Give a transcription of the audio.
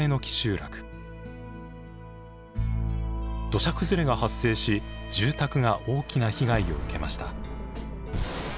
土砂崩れが発生し住宅が大きな被害を受けました。